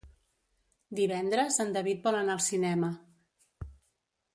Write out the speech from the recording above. Divendres en David vol anar al cinema.